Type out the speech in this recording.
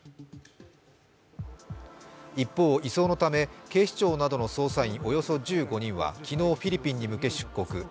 一方、移送のため警視庁などの捜査員およそ１５人は昨日、フィリピンの向け出国。